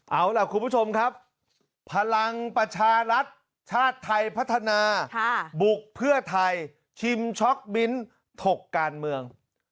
เอาล่ะคุณผู้ชมครับพลังประชารัฐชาติไทยพัฒนาบุกเพื่อไทยชิมช็อกบินถกการเมือง